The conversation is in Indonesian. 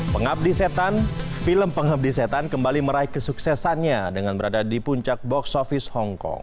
pengabdi setan film pengabdi setan kembali meraih kesuksesannya dengan berada di puncak box office hongkong